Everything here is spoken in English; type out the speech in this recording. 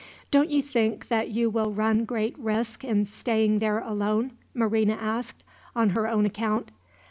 "Don't you think that you will run great risk in staying there alone?" Marina asked, on her own account.